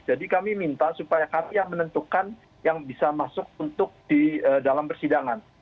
jadi kami minta supaya kami yang menentukan yang bisa masuk untuk di dalam persidangan